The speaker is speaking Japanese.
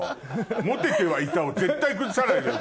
「モテてはいた」を絶対崩さないのよ